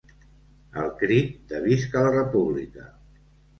Al crit de "Visca la República!"